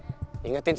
stop ganggu anak warior